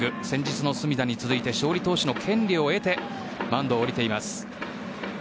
先日の隅田に続いて勝利投手の権利を得てマウンドを降りています。